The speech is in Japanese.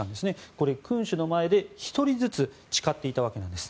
これ、君主の前で１人ずつ誓っていたわけなんです。